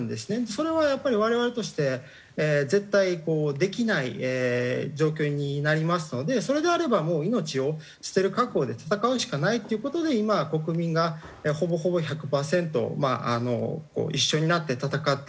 それはやっぱり我々として絶対できない状況になりますのでそれであればもう命を捨てる覚悟で戦うしかないっていう事で今国民がほぼほぼ１００パーセント一緒になって戦ってる。